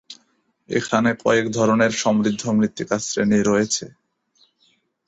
এখানে কয়েক ধরনের সমৃদ্ধ মৃত্তিকা শ্রেণি রয়েছে।